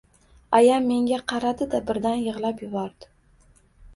Ayam menga qaradi-da, birdan yigʻlab yubordi.